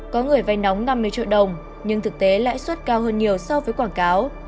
có người vay nóng năm mươi triệu đồng nhưng thực tế lãi suất cao hơn nhiều so với quảng cáo